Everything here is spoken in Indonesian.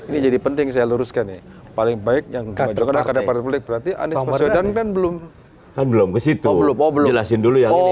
nih jadi penting saya luruskan nih paling baik yang kandil dan belum belum kesitu jelasin dulu yang